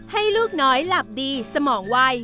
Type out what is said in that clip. ให้ลูกน้อยหลับดีสมองไว